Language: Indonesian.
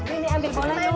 ini ambil bola dulu